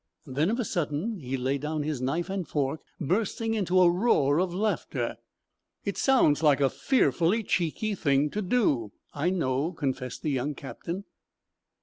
Then, of a sudden, he laid down his knife and fork, bursting into a roar of laughter. "It sounds like a fearfully cheeky thing to do, I know," confessed the young captain.